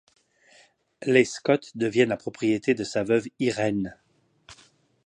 Les Scott deviennent la propriété de sa veuve Irène.